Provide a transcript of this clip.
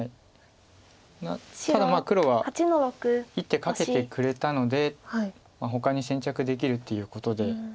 ただ黒は１手かけてくれたのでほかに先着できるっていうことで。